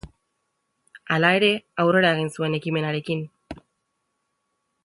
Hala ere, aurrera egin zuen ekimenarekin.